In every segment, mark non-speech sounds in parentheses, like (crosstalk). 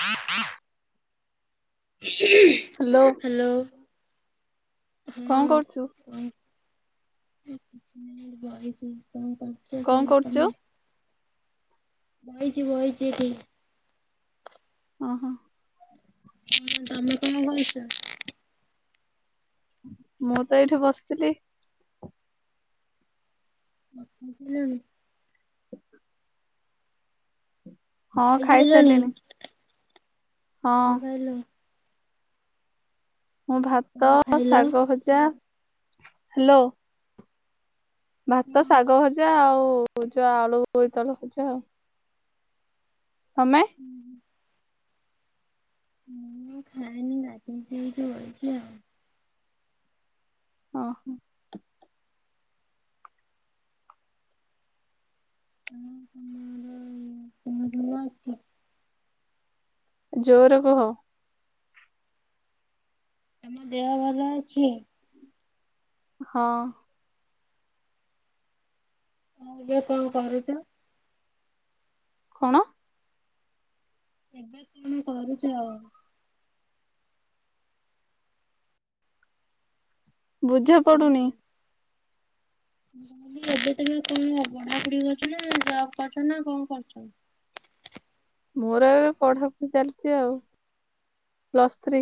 ହ ହ ହାଲୋ। ହଁ କଣ କରୁଛୁ କୁହ। (unintelligible) ମୁଁ ଏଇଠି ବସିଥିଲି। କଣ କରୁଚ କଣ ତମେ? ବଇଚି ବଇଚି ଏଠି। ଓ ହୋ। ହଁ ତମେ କଁ କରୁଚ? ମୁଁ ତ ଏଇଠି ବସିଥିଲି। (unintelligible) ସଇଲାଣି? ହଁ ଖାଇସାରିଲିଣି। ହଁ କଁ ଖାଇଲ? ମୁଁ କଣ ଭାତ ଖାଇଲ? ଶାଗ ଭଜା। ହାଲୋ। ଭାତ ଶାଗ ଭଜା ଆଉ ଯୋଉ ଆଳୁ ବୋଇତାଳୁ ଭଜା ଆଉ। ତମେ? ମୁଁ ଖାଇିନି ଗାଧେଇକି ଏଇଠି ବଇଚି ଆଉ। ଅ ହୋ। ତମେ ଭଲ ଅଛ? ଜୋରେ କୁହ। ତମ ଦେହ ଭଲ ଅଛି? ହଁ। ଆ ଏବେ କଣ କରୁଚ? କଣ? ଏବେ କଣ କରୁଚ? ବୁଝା ପଡୁନି। ନାଇ ଏବେ ତମେ କଣ? ପଢାପଢି କରୁଚ ନା ଜବ କରୁଚ ନା କଣ କରୁଚ? (inaudible) ମୋର ଏବେ ପଢା ପଢି ଚାଲିଚି ଆଉ। Plus three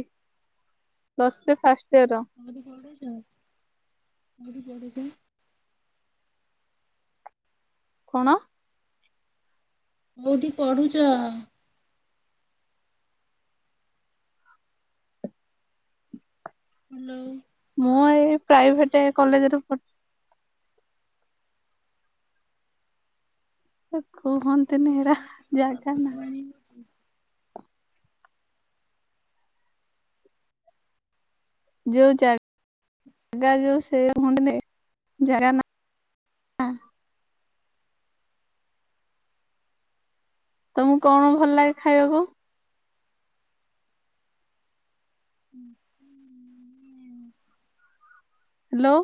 plus three first year (unintelligible) କୋଉଠି ପଢୁଛ? କଣ? କୋଉଠି ପଢୁଚ? ହାଲୋ। ମୁଁ ଏଇ ପ୍ରାଇଭେଟେ କଲେଜରେ ପଢୁଚି। ଆ କୁହଣନ୍ତି ଆପଣଙ୍କ ହେରା ଗାଁରେ କଣ ଯାଗା ନାଁ। ପର୍ବପର୍ବାଣୀ ହଉଛି? ଯୋଉ ଜା ଗା ଯୋଉ ସେ ମନେ ନାହିଁ ଜାଗା ନା? (inaudible) ତମକୁ କଁ କଁ ଭଲ ଲାଗେ ଖାଇବାକୁ? ହଁ ହ ହ୍ୟାଲୋ।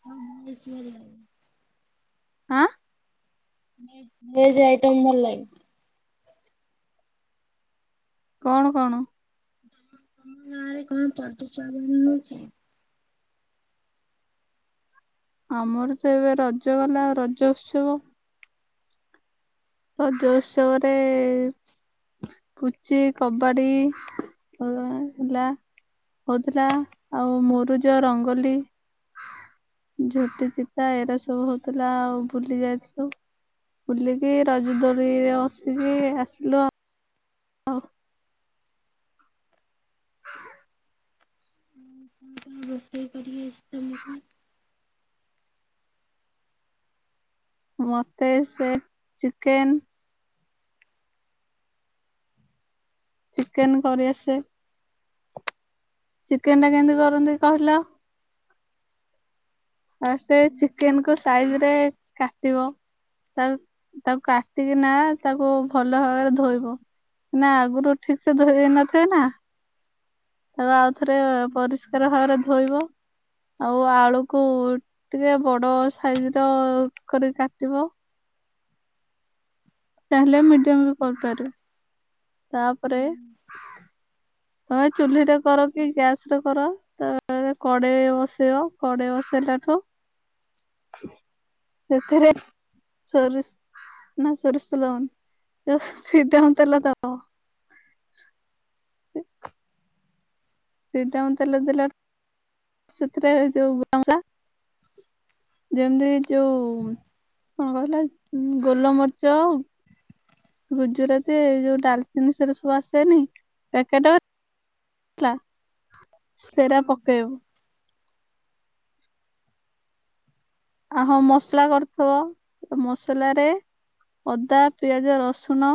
ସବୁ କିଛି ଭଲ ଲାଗେ। ଆଁ? ମିକ୍ସ୍ ଭେଜ ଆଇଟମ୍ ଭଲଲାଗେ। କଣ କଣ? ତମ ଗାଁରେ କଣ ଚଜଚାଯ ହୋଉଛି? ଆମର ତ ଏବେ ରଜ ଗଲା ରଜ ଉତ୍ସବ ରଜ ଉତ୍ସବ ରେ ପୁଚି କବାଡି ହ ହେଲା। ହୋଉଥିଲା ଆଉ ମୁରୁଜ ରଙ୍ଗୋଲି। ଝୋଟି ଚିତା ଏଇରା ସବୁ ହଉଥିଲା ଆଉ ବୁଲି ଯାଇଥିଲୁ। ବୁଲିକି ରଜଦୋଳିରେ ବସିକି ଆସିଲୁ ଆଉ। ହ। ହଁ। କଣ ରୋଷେଇ କରି ଆସିଛି ତମକୁ? ମୋତେ ସେ ଚିକେନ ଚିକେନ କରି ଆସେ। ଚିକେନ ଟା କେମତି କରନ୍ତି କହିଲ? ଆଉ ସେ ଚିକେନ କୁ ସାଇଜ ରେ କାଟିବ। ତା ତାକୁ କାଟିକିନା ତାକୁ ଭଲ ଭାବରେ ଧୋଇବ। ନା ଆଗରୁ ଠିକ ସେ ଧୋଇ ନଥିବେନା ତାକୁ ଆଉ ଥରେ ପରିଷ୍କାର ଭାବରେ ଧୋଇବ ଆଉ ଆଳୁ କୁ ଟିକେ ବଡ ସାଇଜର କରିକି କାଟିବ ଚାହିଲେ ମିଡିୟମ ବି କରିପାର ତାପରେ ତମେ ଚୁଲି ରେ କର କି ଗ୍ୟାସ ରେ କର ତାପରେ କଡେଇ ବସେଇବ କଡେଇ ବସେଇ ସେଇଲାଠୁ ସେଥିରେ ସୋରିଷ ନା ସୋରିଷ ଦବନି ଫ୍ରିଡମ ତେଲ ଦବ। ଫ୍ରିଡମ ତେଲ ଦେଲେ ସେଥିରେ ଯୋଉ (unintelligible) ଯେମିତି ଯୋଉ କଣ କହିଲ ଗୋଲମରିଚ ଗୁଜୁରାତି ଯୋଉ ଡାଲଚିନି ସେରା ସବୁ ଆସେନି ପ୍ୟାକେଟବାଲା? ହେଲା ସେଟା ହଁ। ପକେଇବୁ ଆ ହଁ ମସଲା କରୁଥିବ ମସଲାରେ ଅଦା ପିଆଜ ରସୁଣ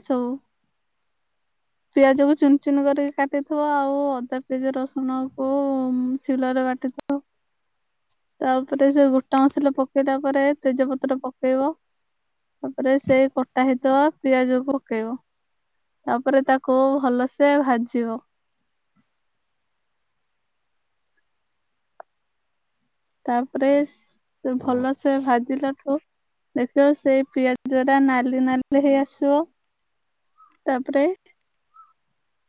ଏସବୁ ପିଆଜକୁ ଚୁନ ଚୁନ କରିକି କାଟିଥିବ ଆଉ ଅଦା ପିଆଜି ରସୁଣକୁ ଶିଳରେ ଟି ଥିବ ବା (inaudible) ତାପରେ ସେ ଗୋଟା ମସଲା ପକେଇଲା ପରେ ତେଜ ପତ୍ର ପକେଇବ। ତାପରେ ସେଇ କଟା ହେଇଥିବ ପିଆଜକୁ ପକେଇବ ତାପରେ ତାକୁ କୁ ଭଲସେ ଭାଜିବ। ତାପରେ ଭଲସେ ଭାଜିଲାଠୁ ଦେଖୁବ ସେଇ ପିଆଜରା ନାଲି ନାଲି ହେଇ ଆସିବ ତାପରେ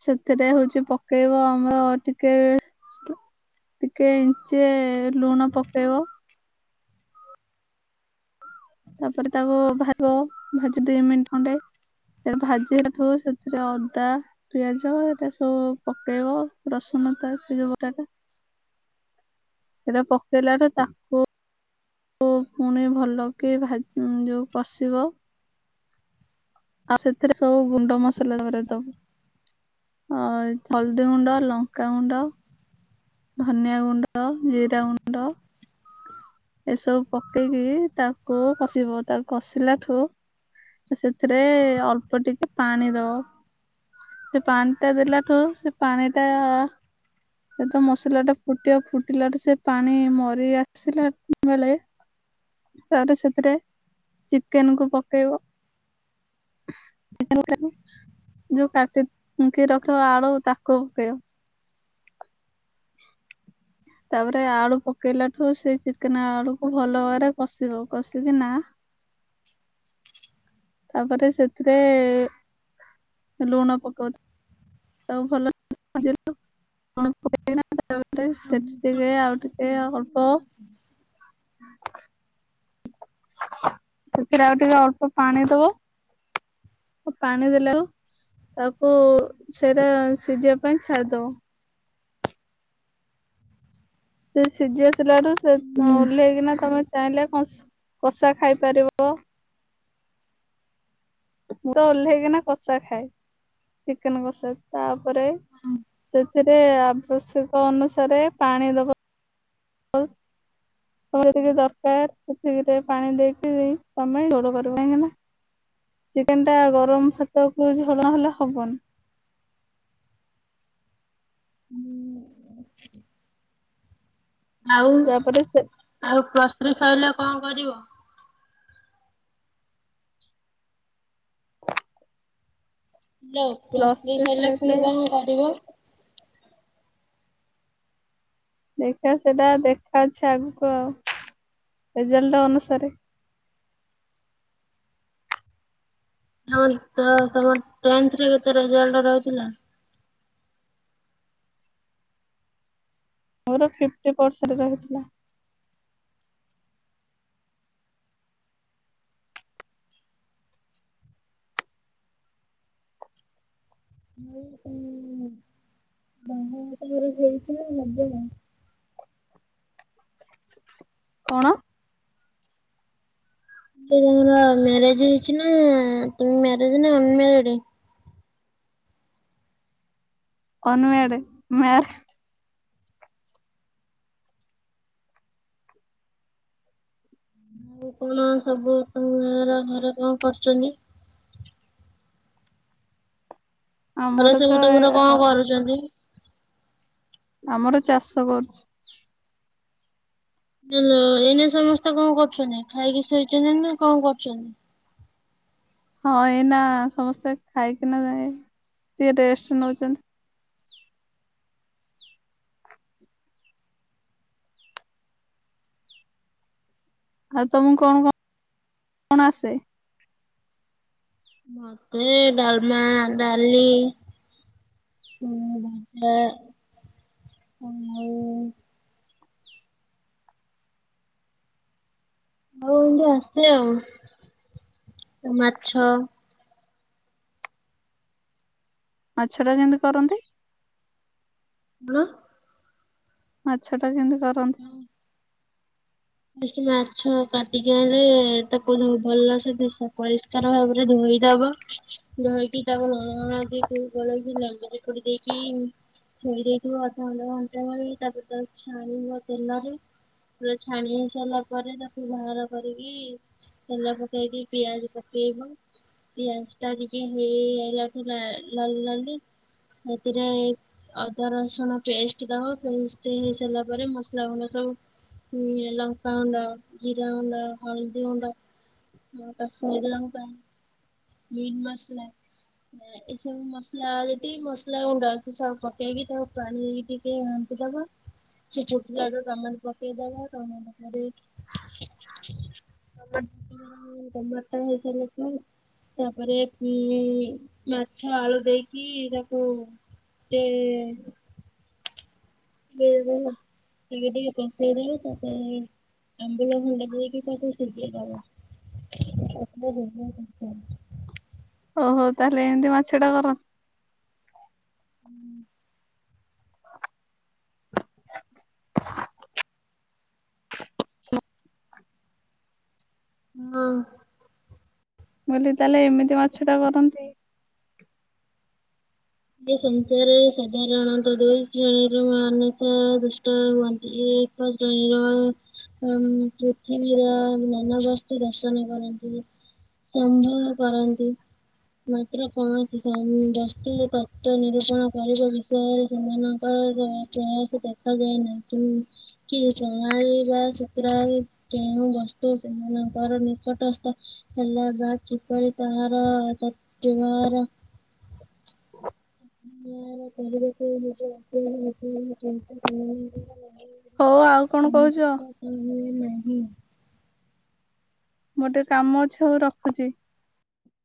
ସେଥିରେ ହଉଛି ପକେଇବ ଆମର ଟିକେ ଟିକେ ଇଞ୍ଚିଏ ଲୁଣ ପକେଇବ। ତାପରେ ତାକୁ ଭାଜିବ ଭାଜି ଦି ମିନଟ ଖଣ୍ଡେ ପରେ ଭାଜିଲାଠୁ ସେଥିରେ ଅଦା ପିଆଜ ଏଟା ସବୁ ପକେଇବ ରସୁଣ (unintelligible) ସେଟା ପକେଇଲାରୁ ତାକୁ ତ ପୁଣି ଭଲକି ଭା ଯୋଉ କଷିବ। ଆଉ ସେଥିରେ ସବୁ ଗୁଣ୍ଡ ମସଲା ଧରେ ଦବ ଅ ହଳଦୀ ଗୁଣ୍ଡ ଲଙ୍କା ଗୁଣ୍ଡ ଧନିଆ ଗୁଣ୍ଡ ଜିରା ଗୁଣ୍ଡ। ଏସବୁ ପକେଇକି ତାକୁ କଷିବ। ତାକୁ କଷିଲା ଠୁ ସେଥିରେ ଅଳ୍ପ ଟିକେ ପାଣି ଦବ। ସେ ପାଣିଟା ଦେଲାଠୁ ସେ ପାଣି ଟା ସେ ତ ମସଲା ଟା ଫୁଟିବ, ଫୁଟିଲାଠୁ ସେ ପାଣି ମରି ଆସିଲା ବେଳେ ତାପରେ ସେଥିରେ ଚିକେନକୁ ପକେଇବ। (unintelligible) ଯୋଉ କାଟି ଫୁଙ୍କି ରଖ ଆଳୁ ତାକୁ ପକେଇବ। (inaudible) ତାପରେ ଆଳୁ ପକେଇଲାଠୁ ସେ ଚିକେନ ଆଳୁକୁ ଭଲ ଭାବରେ କଷିବ। କଷିକି ନା (unintelligible) ତାପରେ ସେଥିରେ ଲୁଣ ପକଉ ଥି - ତ ଭଲ (unintelligible) (unintelligible) ସେଠି ଟିକେ ତମର ଆଉ କିଛି ଟିକେ ଶୁଭୁନି ଅଳ୍ପ। ଭଲସେ। ସେଥିରେ ଆଉ ଟିକେ ଅଳ୍ପ ପାଣି ଦବ। ପାଣିଦେଲେ ଆଉ ତାକୁ ସେଟା ସିଝିବା ପାଇଁ ଛାଡ଼ିଦବ। ସେ ସିଝି ଆସିଲାଠୁ ସେ ଓଲ୍ହେଇକିନା ତମେ ଚାହିଁଲେ କଂସ କଷା ଖାଇ ପାରିବ। ମୁଁ ତ ଓଲ୍ହେଇକିନା କଷା ଖାଏ, ଚିକେନ କଷା ତା (unintelligible) ପରେ ସେଥିରେ ଆବଶ୍ୟକ ଅନୁସାରେ ପାଣି ଦବ। ହଁ। ତମର ଯେତିକି ଦରକାର ସେତିକିରେ ପାଣି ଦେଇକି ତମେ ଝୋଳ କରିବ କାହିଁକିନା ଚିକେନ୍ ଟା ଗରମ ଭାତକୁ ଝୋଳ ନହେଲେ ହବନି। ହୁଁ। ଆଉ ତାପରେ ସେ ଆଉ ପ୍ଲସ ଥ୍ରି ସଇଲେ କଁ କରିବ? Hello plus plus three three ସରିଲେ ପୁଣି କଁ କରିବ? ଦେଖିବା ସେଟା ଦେଖା ଅଛି ଆଗକୁ ଆଉ ରେଜଲ୍ଟ ଅନୁସାରେ। (unintelligible) ଟେନ୍ଥରେ କେତେ ରେଜଲ୍ଟ ରହିଥିଲା? ମୋର ଫିଫ୍ଟି ପରସେଣ୍ଟ ରହିଥିଲା। ହୁଁ। ହଁ ତମର ହେଇଚିନା ହବ? କଣ? (unintelligible) ମ୍ୟାରେଜ ହେଇଚି ନା ତମେ ମ୍ୟାରେଡ ନା ଅନ ମ୍ୟାରେଡ୍? ଅନୁଅ ଇଆଡ଼େ ମ୍ୟାର ଆଉ କଣ ସବୁ ତମ ଘର ଘରେ କଣ କରୁଛନ୍ତି? ଘରେ ଆମର ସବୁ ତ ତମର କଣ କରୁଛନ୍ତି? ଆମର ଚାଷ କରୁଛି। ହଲୋ ଏଇନେ ସମସ୍ତେ କଣ କରୁଛନ୍ତି? ଖାଇକି ଶୋଇଛନ୍ତି ନା କଣ କରୁଛନ୍ତି? ହଁ ଏଇନା ସମସ୍ତେ ଖାଇକିନା ଯାଇ ଟିକେ ରେଷ୍ଟ ନଉଛନ୍ତି। ଆଉ ତମକୁ କଣ କ ଣ ଆସେ? ମତେ ଡାଲମା, ଡାଲି। (unintelligible) ଆଉ। ଆଉ ଏମିତି ଆସେ ଆଉ ତ ମାଛ। ମାଛଟା କେମିତି କରନ୍ତି? ହେଲୋ। ମାଛ ଟା କେମିତି କରନ୍ତି? ମାଛ କାଟିକି ଆଣିଲେ ତାକୁ ଭଲ ସେ ପରିଷ୍କାର ଭାବରେ ଧୋଇ ଧୋଇଦେବ, ଧୋଇକି ତାକୁ ଲୁଣ ହଳଦୀକୁ ଗୋଳେଇକି ଲେମ୍ବୁ ଚୁପଡି ଦେଇକି ଧୋଇ ଦେଇଥିବ ଅଧ ଘଣ୍ଟା ଘଣ୍ଟା ପରେ ତାକୁ ଛାଣିବ ତେଲରେ। ଛାଣି ସାରିଲା ପରେ ତାକୁ ବାହାର କରିକି ତେଲ ପକେଇ କି ପିଆଜ ପକେଇବ। ପିଆଜଟା ଟିକେ ହେଇ ଆଇଲାକୁ ନାଲି ଲାଲି ସେଥିରେ ଅଦା ରସୁଣ ପେଷ୍ଟ ଦବ ପେଷ୍ଟ ହେଇସାରିଲା ପରେ ମସଲା ଗୁଣ୍ଡ ଲଙ୍କାଗୁଣ୍ଡ ଜିରାଗୁଣ୍ଡ ହଳଦିଗୁଣ୍ଡ। କଶ୍ମୀର ଲଙ୍କା, ମୀଟ ମସଲା। ଏସବୁ ମସଲା ଯେତିକି ମସଲାଗୁଣ୍ଡ ଅଛି ସବୁ ପକେଇକି ତାକୁ ପାଣିରେି ଟିକେ ଦବା ସେ ଛଟି ଟମାଟୋ। କେ କଣ ଟମାଟର ହେଇସାରିକି। ତାପରେ ମାଛ, ଆଳୁ ଦେଇକି ଏ ତାାକୁ। ଏ। (unintelligible) ଆମ୍ବୁଲ ଖଣ୍ଡେ ଦେଇ କି ତାକୁ ସିଝେଇ ଦବ। (unintelligible) ଓହୋ ତାହେଲେ ଏମିତି ମାଛଟା କର। ହୁଁ। ହଁ। ମୁଁ କହିଲି ତାହେଲେ ଏମିତି ମାଛଟା କରନ୍ତି। ସଂସାର ସାଧାରଣତ ଦୁଇ ଶ୍ରେଣୀର ମାନସ ଦୁଷ୍ଟ ମନ୍ତି (inaudible) (unintelligible) ହ ପୃଥିବୀର ନାନବସ୍ତି ଦର୍ଶନ କରନ୍ତି। ସମ୍ଭବ କରନ୍ତି ମାତ୍ର କୌଣସି ବସ୍ତୁରେଥା (inaudible) ନିରୂପଣ କରିବା ବିଷୟରେ ସେମାନଙ୍କର ପ୍ରୟାସ ଦେଖାଯାଏନାହିଁ କି କି ଚଣାଳି ବା ଶକ୍ର କେଉଁ ବସ୍ତୁ ସେମାନଙ୍କର ନିକଟସ୍ଥ (unintelligible) ହଉ ଆଉ କଣ କହୁଛ (unintelligible) (unintelligible) ନାହିଁ। ମୋର ଟିକେ କାମ ହଉ ରଖୁଛି।